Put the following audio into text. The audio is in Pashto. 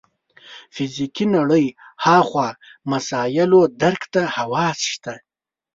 فزیکي نړۍ هاخوا مسایلو درک ته حواس شته.